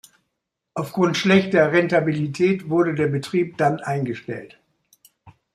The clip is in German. Aufgrund schlechter Rentabilität wurde der Betrieb dann eingestellt.